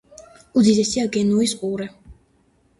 უდიდესია გენუის ყურე.